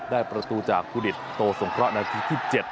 ได้ประตูจากฟุดิดโตสงครานาที่ที่๗